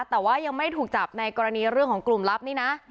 แต่ว่ายังไม่ได้ถูกจับในกรณีเรื่องของกลุ่มลับนี่นะ